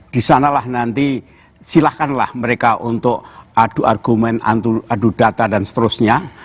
disanalah nanti silahkanlah mereka untuk adu argumen adu data dan seterusnya